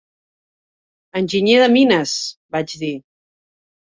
"Enginyer de mines", vaig dir.